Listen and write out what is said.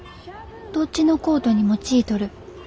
どっちのコートにもちいとる。